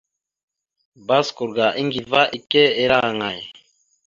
Baskur ga Aŋgiva ike ira aŋay?